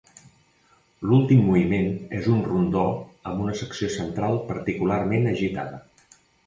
L'últim moviment és un rondó amb una secció central particularment agitada.